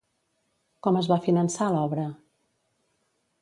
Com es va finançar l'obra?